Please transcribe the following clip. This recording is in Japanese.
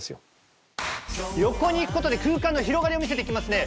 横に行く事で空間の広がりを見せてきますね。